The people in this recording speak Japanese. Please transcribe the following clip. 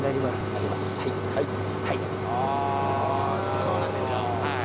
そうなんですよはい。